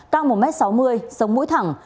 căng một m sáu mươi sống mũi thẳng